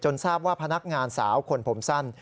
ทราบว่าพนักงานสาวคนผมสั้น